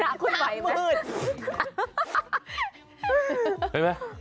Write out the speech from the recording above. นาคุณไหวไหม